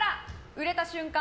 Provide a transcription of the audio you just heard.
売れた瞬間！